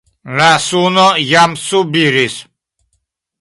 La suno jam subiris.